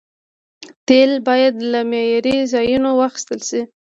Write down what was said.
تیل باید له معياري ځایونو واخیستل شي.